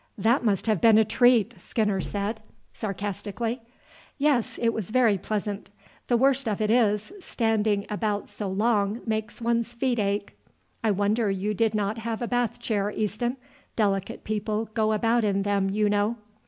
"That must have been a treat," Skinner said sarcastically. "Yes, it was very pleasant. The worst of it is, standing about so long makes one's feet ache." "I wonder you did not have a bath chair, Easton; delicate people go about in them, you know."